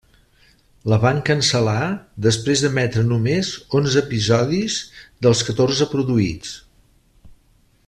La van cancel·lar després d'emetre només onze episodis dels catorze produïts.